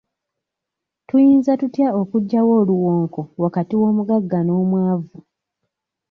Tuyinza tutya okugyawo oluwonko wakati w'omuggaga n'omwavu?